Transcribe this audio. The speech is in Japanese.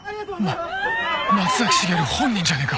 ま松崎しげる本人じゃねえか！